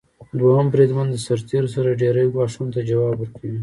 دویم بریدمن د سرتیرو سره ډیری ګواښونو ته ځواب ورکوي.